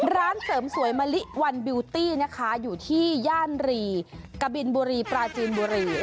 ร้านเสริมสวยมะลิวันบิวตี้นะคะอยู่ที่ย่านรีกะบินบุรีปราจีนบุรี